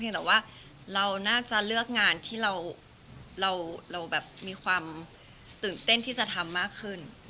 ยังแต่ว่าเราน่าจะเลือกงานที่เราแบบมีความตื่นเต้นที่จะทำมากขึ้น